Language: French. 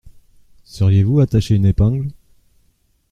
Sauriez-vous attacher une épingle ?